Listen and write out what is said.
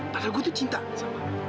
padahal gue tuh cinta sama